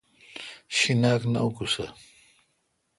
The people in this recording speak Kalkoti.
شیناک نہ اکوسہ۔